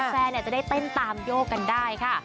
เพื่อนแฟนจะได้เต้นตามโยกันได้ค่ะ